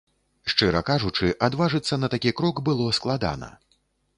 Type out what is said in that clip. Шчыра кажучы, адважыцца на такі крок было складана.